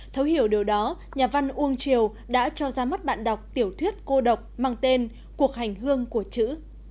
thấu hiểu điều đó nhà văn uông triều đã cho ra mắt bạn đọc tiểu thuyết cô đọc mang tên cuộc hành hương của chữ